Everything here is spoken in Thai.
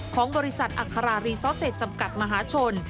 ของบริษัทอัครารีซอสเซตจำกัดมหาชน